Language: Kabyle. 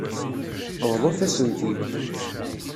Bḍut-asen-t-id.